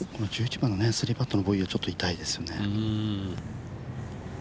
１１番の３パットのボギーはちょっと痛いですね。